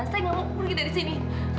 saya tidak mau pergi dari sini